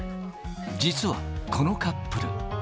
実はこのカップル。